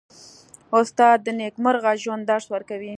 استاد د نېکمرغه ژوند درس ورکوي.